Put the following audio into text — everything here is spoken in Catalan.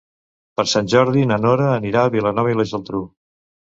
Per Sant Jordi na Nora anirà a Vilanova i la Geltrú.